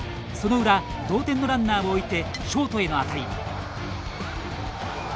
その裏、同点のランナーを置いてショートへの当たり。